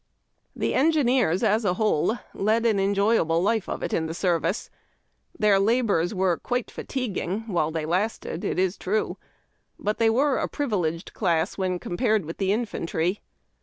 The engineers, as a whole, led an enjoyable life of it in the service. Their labors were quite fatiguing \vhile they lasted, it is true, but they were a privileged class when com pared with the infantry.